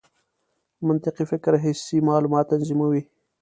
منطقي فکر حسي معلومات تنظیموي.